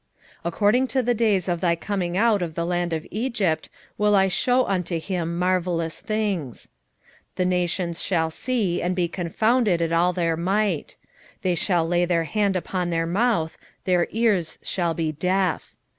7:15 According to the days of thy coming out of the land of Egypt will I shew unto him marvellous things. 7:16 The nations shall see and be confounded at all their might: they shall lay their hand upon their mouth, their ears shall be deaf.